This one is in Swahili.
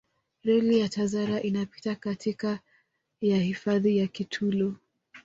reli ya tazara inapita katika ya hifadhi ya kitulo